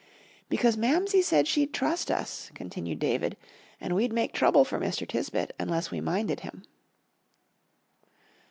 "Because Mamsie said she'd trust us," continued David, "and we'd make trouble for Mr. Tisbett unless we minded him."